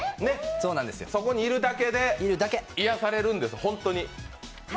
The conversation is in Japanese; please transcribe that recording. そこにいるだけで癒やされるんです、本当に。